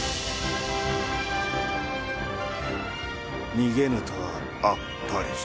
逃げぬとはあっぱれじゃ。